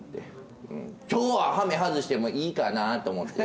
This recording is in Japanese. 今日は羽目外してもいいかなと思って。